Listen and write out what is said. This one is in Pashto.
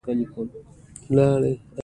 کاناډا د اصلي اوسیدونکو اداره لري.